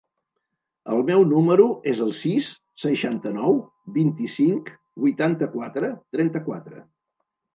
El meu número es el sis, seixanta-nou, vint-i-cinc, vuitanta-quatre, trenta-quatre.